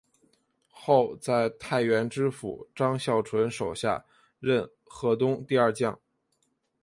后在太原知府张孝纯手下任河东第二将。